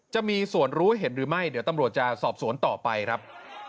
จะมีส่วนรู้เห็นหรือไม่เดี๋ยวตำรวจจะสอบสวนต่อไปครับ